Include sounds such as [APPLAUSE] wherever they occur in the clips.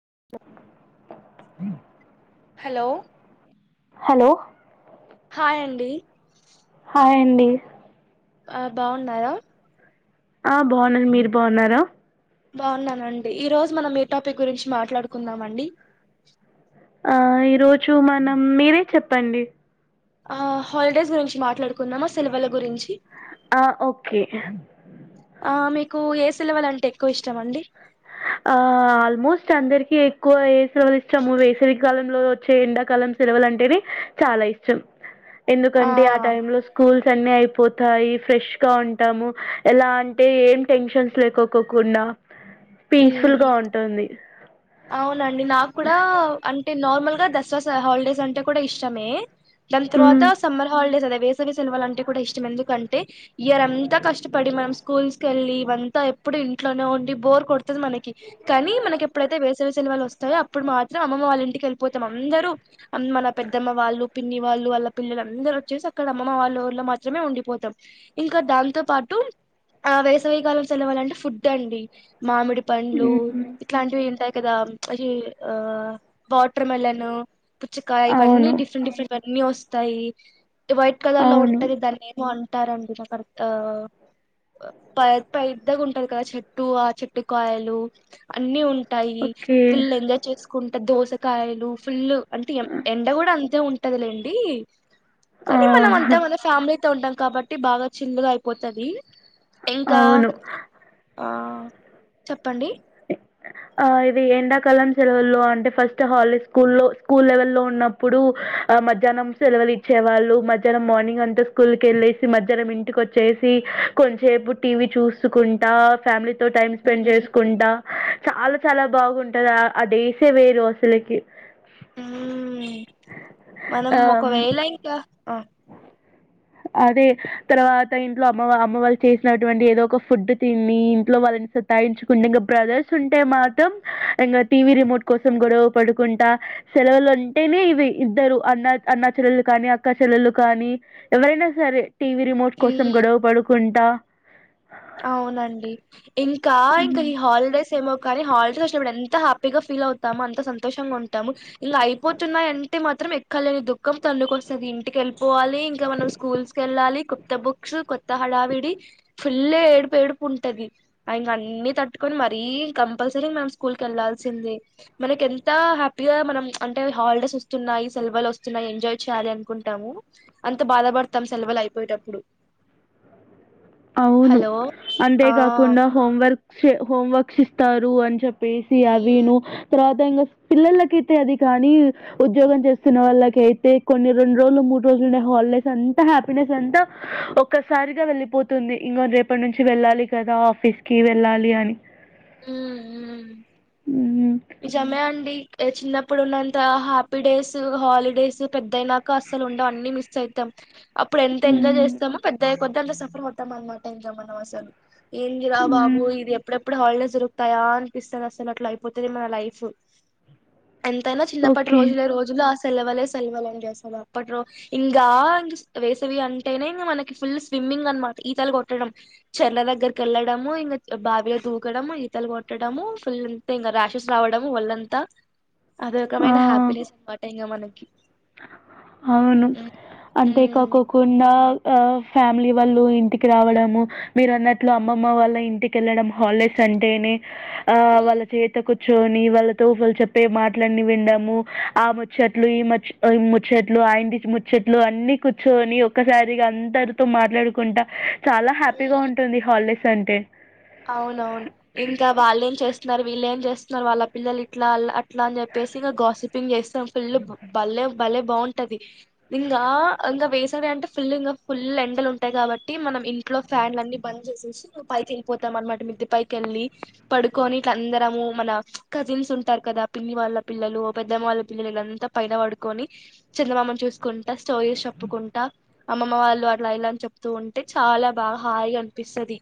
[INAUDIBLE] Hello hello hi అండి hi అండీ అ బావున్నారా అ బాన్నా మీరు బాన్నారా బాన్నానండి ఈ రోజు మనం ఏ టాపిక్ గురించి మాట్లాడుకుందాం అండి ఆ ఈరోజు మనం మీరే చెప్పండి ఆ హాల్డేస్ గురించి మాట్లాడుకుందమా సెలవల గురించి ఆ ఓకే ఆ మీకు ఏ సెలవులు అంటే ఎక్కువ ఇష్టం అండి ఆ ఆల్మోస్ట్ అందరికి ఎక్కువ ఏ సెలవులు ఇష్టాము వేసవికాలంలో వచ్చే ఎండాకాలం సెలవులు అంటేనే చాలా ఇష్టం ఎందుకంటే ఆ టైమ్ లో స్కూల్స్ అన్ని అయి పోతాయి ఫ్రెష్ గా ఉంటాము ఎలా అంటే ఏం టెన్షన్స్ లేకోకోకుండా పీస్ఫుల్ ఉమ్ గా ఉంటుంది అవునండి నాక్కూడా అంటే నార్మల్ గా దసరా హాలిడేస్ అంటే కూడా ఇష్టమే దాని ఉమ్ తర్వాత సమ్మర్ హాలిడేస్ అదే వేసవి సెలవులు అంటే కూడా ఇష్టం ఎందుకంటే ఇయర్ ఎంత కష్టపడి మామ్స్ స్కూల్స్ కెళ్ళి ఇవంతా ఎప్పుడు ఇంట్లోనే ఉండి బోర్ కొడుతది మనకి కానీ మనకి ఎప్పుడైతే వే సవి సెలవులు వస్తాయో అప్పుడు మాత్రం అమ్మమ్మ వాళ్ళ ఇంటికి వెళ్లిపోతాం అందరూ మన పెద్దమ్మ వాళ్ళు పిన్ని వా ళ్లు వాళ్ళ పిల్లలు అందరు వచ్చేసి అక్కడ అమ్మమ్మ వాళ్ళ ఊర్లో మాత్రమే ఉండిపోతాం ఇంకా దాంతో పాటు ఆ వేసవికాలం సెలవులంటే ఫుడ్ అండి మామిడి పండ్లు ఉమ్ ఇట్లాంటివి ఉంటాయి కదా ఈ ఆ వాటర్ మీలన్ పుచ్చకాయ ఇవన్నీ అవును డిఫరెంట్ డిఫరెంట్ అన్ని వస్తాయి వైట్ కలర్ లో అవును ఉంటది దాన్ని ఏమో అం టారండి నాకు అంత ప పెద్దగా ఉంటది కదా చెట్టు ఆ చెట్టుకాయలు అన్ని ఉం టాయి ఓకే ఫుల్ ఎంజాయ్ చేసుకుంటా దోసకాయలు ఫుల్ అంటే ఎం ఎండ కూడా అంతే ఉం టది లేండి కానీ ఆ మనమంతా మన ఫ్యామిలీ తా ఉంటాం కాబట్టి బాగా చిల్లుగా అయిపోతాది ఇంకా అవును. ఆ చెప్పండి ఆ ఇది ఎండాకాలం సెలవుల్లో అంటే ఫస్ట్ హాలిడే స్కూల్ లో స్కూల్ లెవెల్లో ఉన్నప్పుడు అ మధ్యాహ్నం సెలవులు ఇచ్చేవాళ్ళు మధ్యాహ్నం మార్నింగ్ అంతా స్కూల్ కెళ్ళేసి మధ్యాహ్నం ఇంటికి వచ్చేసి కొంచసేపు టీవీ చూసుకుంటా ఫ్యామిలీతో టైం స్పెండ్ చేసుకు డా చాలా చాలా బాగుంటందా ఆ డేస్ ఏ వేరు అసలకి హు మనం ఆహ్, హ్మ్. ఒకవేళ ఇంకా ఆ [INAUDIBLE] అదే తర్వాత ఇంట్లో అమ్మ అమ్మ వాళ్ళు చేసినటువంటి ఏదో ఒక ఫుడ్ తిని ఇంట్లో వాళ్ళని సతాయించుకుంట ఇంకా బ్రదర్స్ ఉంటే మాత్రం ఇంకా టీవీ రిమోట్ కోసం గొడవ పడుకుంటా సెలవులు అంటేనే ఇవి ఇద్దరు అన్న అన్న చెల్లెళ్ళు కానీ అక్క చెల్లలు కానీ ఎవరైనా సరే టీవి రిమోట్ కోసం మ్మ్ గొడవ పడుకుంటా అవునండి ఇంకా ఇంకా ఉమ్. ఈ హాలిడేస్ ఏమో కానీ హాలిడేస్ వచ్చినప్పుడు ఎంత హ్యాపీగా ఫీల్ అవుతాము అంత సంతోషంగా ఉంటాము ఇంకా అయిపోతున్నాయియంటే మాత్రం ఎక్కలేని దుఃఖం తన్నుకు వస్తుంది ఇంటికెళ్ళి పోవాలి ఇంకా మనం స్కూల్స్ కివెళ్ళాలి కొత్త బుక్స్ హడావిడి ఇల్లే ఏడుపు ఏడుపు ఉంటది ఆ ఇంక అన్ని తట్టుకొని మరీ కంపల్సరీ మనం స్కూల్ కి వెళ్లాల్సి మనకి ఎంత హ్యాపీగా మనం అంటే హాలిడేస్ వస్తున్నాయి సెలవలు వస్తున్నాయి ఎంజాయ్ చేయాలి అనుకుంటాము అంత బాధ పడతాం సెలవులు అయిపోయేటప్పుడు అవును హలో ఆ అంతేకాకుండా హోంవర్క్ హోంవర్క్స్ ఇస్తారు అని చెప్ప ఏసి ఆవి ఉమ్ ను తర్వాత ఇంకా పిల్లలకైతే అది కానీ ఉద్యోగం చేస్తున్న వాళ్ళకి అయితే కొన్ని రెండు రోజులు మూడు రోజులుండ హాలిడేస్ అంతా హ్యాపీనెస్ అంతా ఒక్కసారిగా వెళ్లిపో తుంది ఇంకొ రేపటి నుంచి వెళ్ళాలి కదా ఆఫీస్ కి వెళ్ళాలి అని ఊ ఊ హ్మ్. నిజమే అండి చిన్నప్పుడు ఉన్నంత హ్యాపీ డేస్ హాలిడేస్ పెద్దయినాక అసలు ఉండవు అన్ని మిస్ అయతాం అప్పుడు ఎంత ఎంజాయ్ హ్మ్. చేస్తామో పెద్ద అయ్యే కొద్ది అంత సఫర్ అయతాం అన్నమాట మనం అసలు ఏందిరా బాబు, హ్మ్. ఇది ఎప్పుడెప్పుడు హాలిడేస్ దొరుకుతాయా అనిపిస్తది. అసల్ అట్ల అయిపో తాది మన లైఫ్. ఎంతైనా చిన్నప్పటి ఓకే. రోజులే, రోజులు అస సెలవలే సెలవలని చేస్తా [UNINTELLIGIBLE] అప్పట్లో. ఇంగా, ఇంగ్ వేసవి అంటేనే ఇంగా మనకి ఫుల్ స్విమ్. స్మింగ్ అన్నమాట. ఈతలు కొట్టడం, చెర్ల దగ్గరికి ఎళ్లడము. ఇంగా బావిలో దూకడం, ఈతలు కొట్టడం. ము. ఫుల్ ఉంటాయి ఇంగా, రాష్ రషెస్ రావడం ఓల్లంతా. అదో రకమైన ఆ! హ్యాపీనెస్ అన్నమాట ఇంగా మనక్. అవును. అంటే కోకోకుండా. ఆ ఫ్యామిలీ వాళ్ళు ఇంటికి రావడము. మీరు అన్నట్లు అమ్మమ్మ వాళ్ళ ఇంటికి ఎళ్ళడం, హాలిడేస్ అంటేనే. ఆ వాళ్ళ చేతకు ర్చొని వాళ్ళతో వాళ్ళు చెప్పే మాటలన్నీ విన్డము. ఆ ముచ్చట్లు, ఈ ముచ్చ్ [UNINTELLIGIBLE] ముచ్చేట్లు అయింటిస్ ముచ్చట్లు, అన్ని కూర్చోని ఒక్కసారిగా అందరితో మాట్లాడుకుంటా, చాలా ఈ హ్యాపీగా ఉంటుంది, హాలిడేస్ అంటే. అవునవును. ఇంకా వాళ్ళ ఏం చేస్తున్నారు, వీళ్ళేం చేస్తున్నారు వాళ్ళ పిల్లలు ఇట్లా, ఆల్ అట్ ఇట్లా అని జేప్పేసి, ఇగా గాసిపింగ్ చేస్తాం. ఫుల్ బల్లేెం. భలే బాగుంటది. ఇంగా ఇంగా వేసవి అంటే ఫుల్, ఇంగా ఫుల్ ఎండలు ఉంటాయి కాబట్టి, మనం మనం ఇంట్లో ఫ్యాన్లు అన్ని బంద్ జేసేసి, పైకి ఎళ్ళిపోత్ తమ్ అన్నమాట. మిద్దెపైకి ఎళ్ళి, పడుకొని ఇట్లా అందరము మన కజిన్స్ ఉంటారు కదా, పిన్ని వాళ్ళ పిల్లలు, పెద్దమ్మ వాళ్ళ పిల్లలంతా పైన పడుకొని, చందమామను చూసుకుంటా, స్టోరీస్ చెప్పుకుంటా టా అమ్మమ్మ వాళ్ళు అట్లా, ఇలా అని చెప్తూ ఉంటే చాలా బా, హాయిగా అనిపిస్తది.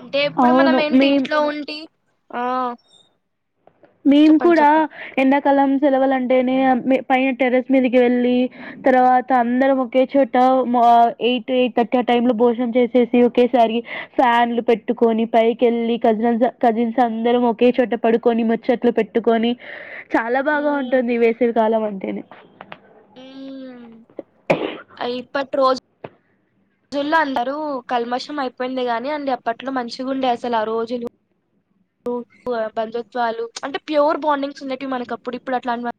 అంటే, ఎప్పుడు మనం అవును. ఏంటి మేం ఇంట్లో ఉంటి మేము కూడా, ఎండాకాలం సెలవుల్లంటేనే మేం పైన టెర్రస్ మీదకి వెళ్ళి, తర్వాత అందరం ఒకే చోట ఆ ఎయిట్, ఎయిట్ థర్టీ అట్ టైంలో భోజనం చేసేసి ఒకేసారి, ఫ్యాన్లు పెట్టుకొని, పైకి ఎళ్ళి కజన్స్, కజిన్స్ అందరం ఒకే చోట పడుకొని ముచ్ చట్లు పెట్టుకొని, చాలా బాగా ఉంటుంది వేసవి కాలం అంటేనే. ఉమ్మ్. ఆ ఇప్పట్ రోజ్ జుల్లో అందరూ కల్మషం అయిపోయింది గాని అండి, అప్పట్లో మంచిగా ఉండే అసల్ ఆ రోజులు. ఉ ఉ బంధుత్వాలు. అంటే ప్యూర్ బాండింగ్స్ ఉండేటివి మనకి అప్పుడు. ఇప్పుడు అట్లాన్ వాట్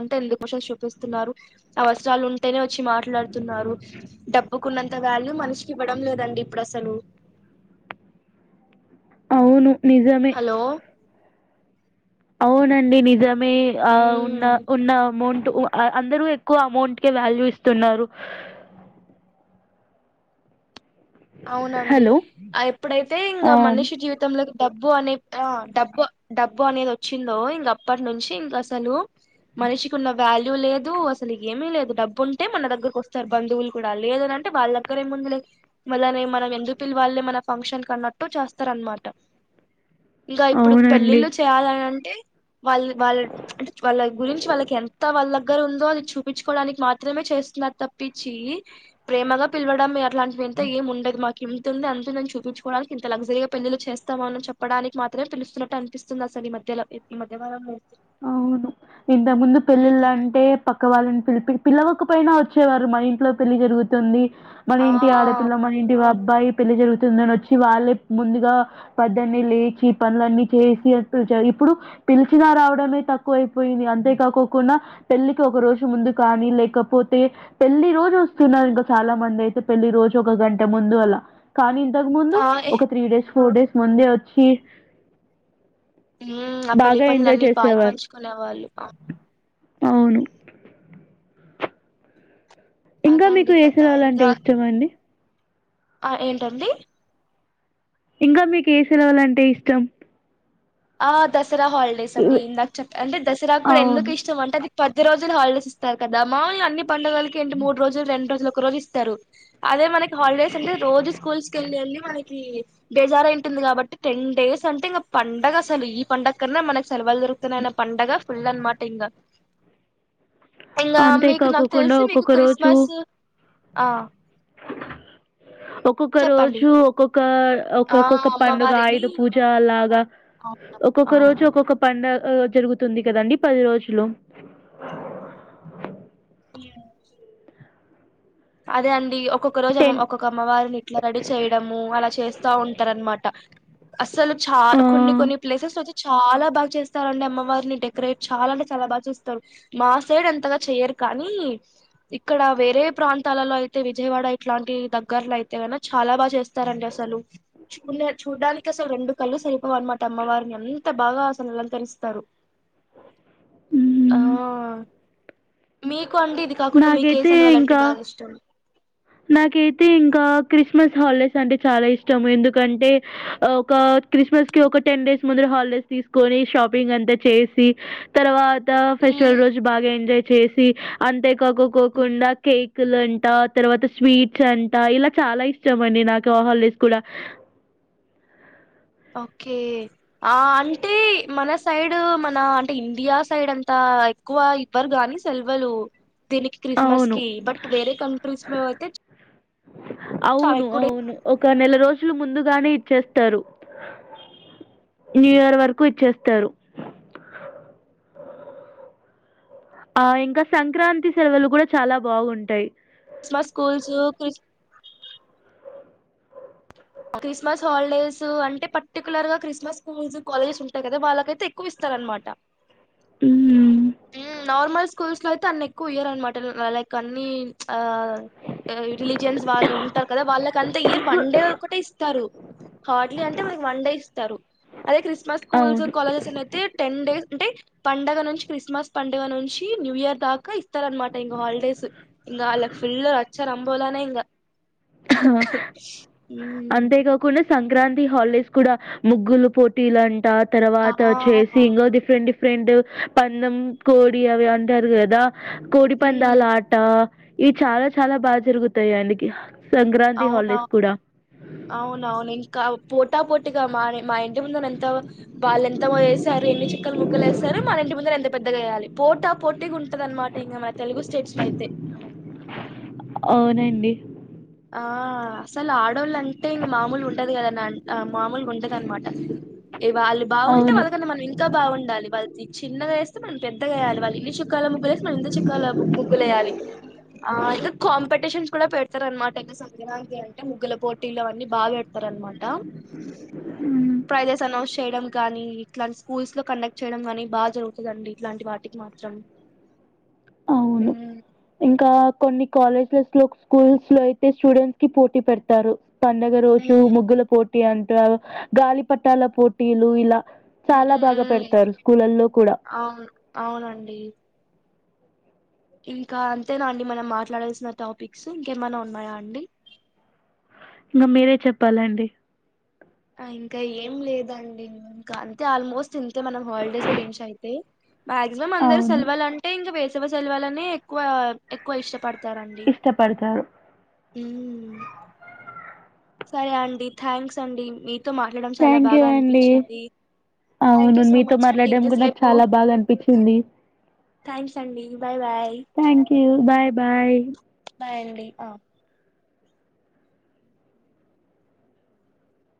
అంతా ఎందుకోషన్స్ చూపిస్తున్నారు. అవసరాలు ఉంటేనే వచ్చి మాట్లాడ్ తున్నారు. డబ్బు కున్నంత వాల్యూ, మనిషికి ఇవ్వడం లేదండి ఇప్పుడసలు. అవును, నిజమే. అవునండి నిజమే. ఆ ఉన్న మ్మ్ ఉన్న అమౌంట్ టు. అందరూ ఎక్కువ అమౌంట్కే వాల్యూ ఇస్తున్నారు. అవునండి. హలో ఆ ఎప్పుడైతే ఇంగ ఆ, మనిషి జీవితంలోకి డబ్బు అనే, ఆ డబ్బు, డబ్బు అనేది ఓచ్చిందో ఇంగ అప్పటి నుంచి ఇంగ అసలు మనిషికి ఉన్న వ్యాల్ లు లేదు, అసలు ఏమీ లేదు. డబ్బు ఉంటే మన దగ్గరకొస్తారు బంధువులు కూడా. లేదు అంటే వాళ్ళ దగ్గర ఏ ముంది లే, మళ్ళనే, మనం ఎందుకు పిలవాలే, మన ఫంక్షన్ అన్నట్టు చేస్తారన్నమాట. ఇంగ ఇప్పుడు అవునండి పెళ్ళిళ్ళు చెయ్యలనంటే. వాళ్ళ వాళ్ళద్, అంటే వాళ్ళ గురించి వాళ్ళకి ఎంత వాళ్ళ దగ్గర ఉందో, అది చూపించుకోవడానికి మాత్రమే చెప్ చేస్తునారు తప్పించి, ప్రేమగా పిలవడం అట్లాంటివేం తే ఏం ఉండది మాకు ఇంతుంది, అంతుందని చూపించుకోడానికి, ఇంతల్జరీగా పెండ్లిళ్లు చేస్తాము అని చెప్పడానికి మాత్రమే, పిలుస్ న్నట్టు అనిపిస్తుంది అసలు ఈ మధ్యలో, ఈ మధ్య కాలంలో. అవును. ఇంతక్ ముందు ఉమ్, పెళ్ళిలంటే, పక్క వాళ్ళని పిలిపి, పిల్లవాక్ కపోయినా వచ్చేవారు. మన ఇంట్లో పెళ్లి జరుగుతుంది, మన ఆ ఇంటి ఆడపిల్ల, మన ఇంటి వార్ అబ్బాయి పెళ్లి జరుగుతుందని ఒచ్చి, వాళ్ళే ముందుగా పోద్దన్నే లేచి, పనులన్నీ చేసి, [UNINTELLIGIBLE] [UNINTELLIGIBLE] ఇప్పుడు పిలిచిన రావడ్ డమే తక్కువ అయిపోయింది. అంతేకాకోకుండా పెళ్లికి ఒక రోజు ముందు కానీ, లేకపోతే పెళ్ పెళ్లి రోజు ఒస్తున్నారు, ఇంకా చాలా మంది అయితే పెళ్ళి రోజు ఒక గంట ముందు అలా. కానీ ఇంతకు ముందు ఆ ఏ, ఒక త్రీ డేస్ ఫోర్ డేస్ ముందే ఒచ్చి ఊమ్ ఆ పెళ్లి పనులు అన్ని పాలు పంచుకునే వాళ్ళు. అ అవును ఇంకా మీకు అదండి ఏ కదా సీరియల్ అంటే ఇంకా ఇష్టమండి? ఆ ఏంటండి? ఇంకా మీకు ఏ సెలవులంటే ఇష్టం? ఆ దసరా హాలిడేస్ అండి, ఇవి ఇందాక చెప్ అంటే దసరా కూడా ఎందుకు అవును ఇష్టం అంటే అది పది రోజులు హాలిడేస్ ఇస్తారు కద, మాలుగా అన్ని పండుగలకి ఏంటి మూడ్రోజులు రెండు రోజుల కొ ఒక రోజు ఇస్తారు, అదే మనకి హాలిడేస్ వుంటే రోజు స్కూల్స్ కెళ్ళి ఎళ్ళి మనకి, బేజారయి వుంటుంది. కాబట్టి టెన్ డేస్ అంటే ఇంగ పండగస్ సరు ఈ పండ కన్నా మనకు సెలవలు దొరుకుతున్నాయన్న పండగ ఫుల్ అనమాట ఇంగ. ఇంగ అంతే మీకు నాకు కాకోకుండా తెలిసి మీకు ఒక్కొక్క రోజు క్రిస్మస్ ఆ ఒక్కొక్క చెప్పండి రోజు ఒక్కొక్క, ఆ ఒక్కొక్కొక్క పండుగ అమ్మవారిని ఐదు పూజ అలాగా అవును ఒక్కొక్క రోజు ఒక్కొక్క పం పండగ అ జరుగుతుంది కదండి పది రోజులు. యా అదే అండి ఒక్ ఒక్కొక్క రోజేమో టెన్ ఒక్కొక్క అమ్మవారిని ఇట్ల రెడీ చేయడము, అలా చేస్తా ఉంటారన్నమాట అసలు చా ఆ కొన్ని కొన్ని ప్లేసెస్ ఒచ్చి చాలా బాగా చేస్తారు అండి అమ్మవారిని డెకరేట్ చాలా అంటే చాలా బాగా చేస్తారు, మా సైడ్ అంతగా చెయరు కానీ ఇక్కడ వేరే ప్రాంతాలలో అయితే విజయవాడ ఇట్లాంటి దగ్గర్లో అయితే గిన చాలా బాగా చేస్తారండి అసలు. నె చూడ్డానికి అసలు రెండు కళ్ళు సరిపోవనమాట అమ్మవారిని, అంత బాగా అసలు అలంకరిస్తారు. [INAUDIBLE] ఆ హ్మ్. మీకు అండి ఇది కాకుండా మీకె సెలవలం కా నాకైతే ఇంకా క్రిస్మస్ హాలిడేస్ అంటే చాలా ఇష్టం, ఎందుకంటే ఒక క్రిస్మస్ కి ఒక టెన్ డేస్ ముందర హాలిడేస్ తీసుకొని షాపింగ్ అంతా చేసి తర్వా త ఫెస్టివల్ రోజు ఉమ్ బాగా ఎంజాయ్ చేసి అంతే కాక్కకోకుండా కేక్ కులు అంట, తర్వాత స్వీట్స్ అంట ఇలా చాలా ఇష్టం అండి నాకు ఆ హాలిడేస్ కూడా. [INAUDIBLE] ఓకే ఆ అంటే మన సైడ్ మన అంటే ఇండియా సైడ్ అంతా. ఆ ఎక్కువ ఇవ్వరు గాని సెలవలు. దీనికి క్రిస్మస్ అవును. కి బట్ వేరే కంట్రీస్ లో అయితే చాలా అవును ఎక్కువ డేస్ అవును ఒక నెల రోజులు ముందుగానే ఇచ్చేస్తారు. న్యూ ఇయర్ వరకు ఇచ్చేస్తారు. అ.. ఆ ఇంకా సంక్రాంతి సెలవలు కూడా చాలా బాగుంటయి. Christmas schools Chris. Christmas holidays అంటే పర్టికులర్ గా క్రిస్మస్ స్కూల్స్ కాలేజెస్ ఉంటాయి కదా వాళ్ళకైతే ఎక్కువ ఇస్తరన్నమాట. ఉహు ఉమ్ నార్మల్ స్కూల్స్ లో అయితే అన్ని ఎక్కువ ఇయరన్నమాట ల లైక్ అన్ని ఆ రిలీజియన్స్ వాళ్ళు ఉంటారు కదా, వాళ్ళకంతా ఇయర్ వన్డే ఒకటే ఇస్తారు. హార్డ్లీ అన్ తే మనకి వన్ డే ఇస్తారు, అదే క్రిస్మస్ స్కూల్స్ అవును. కాలేజెస్ నైతే టెన్ డేస్ అంటే పండుగ నుంచి క్రిస్మస్ పండుగ నుంచి న్యూ ఇయర్ దాకా ఇస్తారన్నమాట ఇంగ హాలిడేస్, ఇంగ ఆళ్ళకు ఫుల్లు అచ్చ. తంబోలనే ఇంగా ఆహా అంతేకాకుండా. సంక్రాంతి హాలిడేస్ కూడా ముగ్గులు పోటీలంట ఆ తర్వాత చేసి ఇంకా డిఫరెంట్ డిఫె రెంట్ పందెం కోడి అవి అంటారు కదా కోడి పందాల మ్మ్ ఆట ఇవి చాలా చాలా బాగా జరుగుతాయి అవునవును ఇంకా పోటీ పోటిగా మా ఇంటి ముందు ఎంత వాళ్ళు ఎంత వేసారు ఎన్ని చుక్కల ముగ్గులు వేస్తారు మన ఇంటి ముందు ఎంత పెద్దగా వెయాలి పోట పోటీగా ఉంటది అనమాట ఇంకా మ తెలుగు స్టేట్స్ లో అయితే [UNINTELLIGIBLE] అవునండి ఆ అసలు ఆడోళ్ళు అంటే ఇగ మామూలుగా ఉండదు కదా మామూలుగా ఉండదు అనమాట వాళ్ళు బాగుంటే అవును. వాళ్ళకన్నా మనం ఇంకా బాగుండాలి వాళ్ళ చిన్నగా వేస్తే మనం పెద్దగెయాలి వాళ్లు ఎన్ని చుక్కలు ముగ్గులు వేసారో మనం ఎన్ని చుక్కల ముగ్గు వేయాలి ఆ ఇగ క కాంపిటీషన్స్ కూడా పెడతారు అన్నమాట సంక్రాంతి అంటే ముగ్గుల పోటీలు అన్నీ బాగా పెడతారు అనమాట. హ్మ్. ప్రైసెస్ అనౌన్స్ చేయడం గానీ ఇట్లా స్కూల్స్ లో కండక్ట్ చేయడం గానీ, బాగా జరుగుతుందండి ఇట్లాంటి వాటికి మాత్రం [UNINTELLIGIBLE] అవును ఉమ్ ఇంకా కొన్ని కాలేజెస్ స్కూల్స్ లో అయితే స్టూడెంట్స్ కి పోటీ పెడతారు పండుగ రోజు ఉమ్ ముగ్గుల పోటీ. అంటారు గాలి పటల పోటీలు ఇలా. ఉమ్ చాలా బాగా ఉమ్ పెడతారు స్కూలల్లో కూడా అవును అవునండి ఇంకా అంతేనా అండి మనం మాట్లాడాల్సిన టాపిక్స్ ఇంకేమైనా ఉన్నాయా అండి [INAUDIBLE] ఇంకా మీరే చెప్పాలండి ఇంకా ఏం లేదండి ఇంకా అంతే ఆల్మోస్ట్ ఇంతే మనం హాలిడేస్ గురించి అయితే మాక్సిమం అందరు అవును సెలవలు అంటే ఇంకా వేసవి సెలవులను ఎక్కువ ఎక్కువ ఇష్టపడత ఇష్టపడతారు మ్మ్ హ్ సరే అండి థ్యాంక్స్ అండి మీతో మాట్లాడడం చాలా థ్యాంక్ యూ బాగా అండి అనిపించింది థ్యాంక్ అవును యూ సో మీతో మచ్ అండి మాట్లాడడం కూడా నాకు ఇంతసేపు చాలా బాగా అనిపించింది థ్యాంక్స్ అండి bye bye thank you bye bye bye అండీ